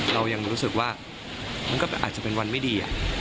เรายังรู้สึกว่ามันก็อาจจะเป็นวันไม่ดี